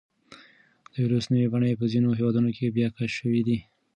د وېروس نوې بڼې په ځینو هېوادونو کې بیا کشف شوي دي.